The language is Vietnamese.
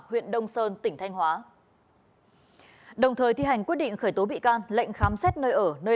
huyện đông sơn tỉnh thanh hóa đồng thời thi hành quyết định khởi tố bị can lệnh khám xét nơi ở nơi